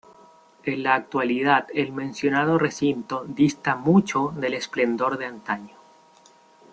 En la actualidad el mencionado recinto dista mucho del esplendor de antaño.